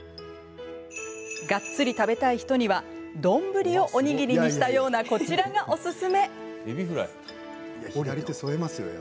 がっつり食べたい人には丼をおにぎりにしたようなこちらがおすすめ。